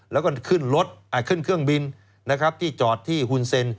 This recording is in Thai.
แล้วก็ขึ้นเครื่องบินที่จอดที่คุณเซ็น